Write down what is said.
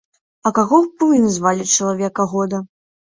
А каго б вы назвалі чалавека года?